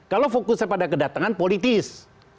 kalau fokusnya pada kedatangan politis